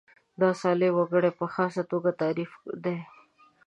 دا صالح وګړي په خاص تعریف دي.